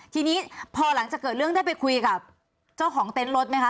ทีนี้พอหลังจากเกิดเรื่องได้ไปคุยกับเจ้าของเต็นต์รถไหมคะ